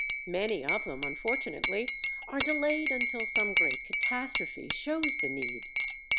Many of them, unfortunately, are delayed until some great catastrophe shows the need.